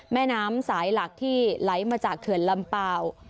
แม่น้ำสายหลักที่ไหลมาจากเขื่อนลำเปล่า